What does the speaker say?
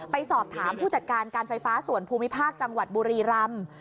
ไปสอบถามผู้จัดการการไฟฟ้าส่วนภูมิภาคจังหวัดบุรีรำ